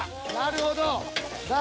なるほど。